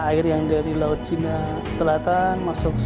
masa air yang dari laut cina selatan masuk selat karimah